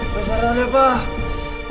bisa deh pak